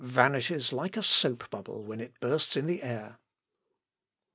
vanishes like a soap bubble when it bursts in the air."